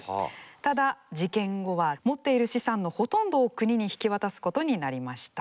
ただ事件後は持っている資産のほとんどを国に引き渡すことになりました。